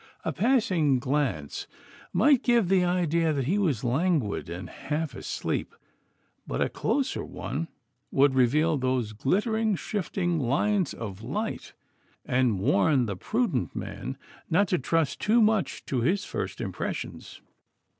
A passing glance might give the idea that he was languid and half asleep, but a closer one would reveal those glittering, shifting lines of light, and warn the prudent man not to trust too much to his first impressions.